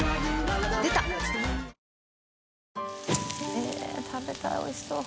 えぇ食べたいおいしそう。